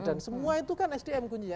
dan semua itu kan sdm kuncinya